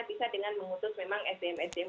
bisa dengan mengutus memang sdm sdm